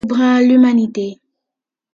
Lebrun, L'Humanité.